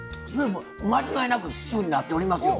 間違いなくシチューになっておりますよ